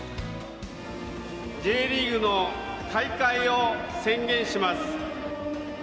Ｊリーグの開会を宣言します。